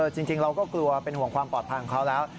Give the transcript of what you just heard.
จริงเราก็กลัวเป็นห่วงความปลอดภัยของเขาแล้ว